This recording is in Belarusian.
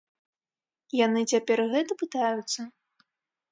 Яны цяпер гэта пытаюцца?